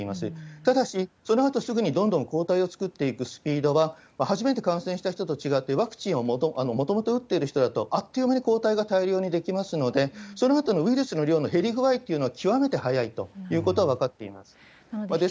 ただし、そのあとすぐにどんどん抗体を作っていくスピードは初めて感染した人とは違ってワクチンをもともと打っている人だと、あっという間に抗体が大量に出来ますので、そのあとのウイルスの量の減り具合というのは極めて早いということは分かっています。